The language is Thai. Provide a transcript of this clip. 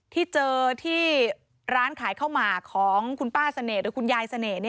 ที่เจอที่ร้านขายข้าวหมากของคุณป้าเสน่ห์หรือคุณยายเสน่ห์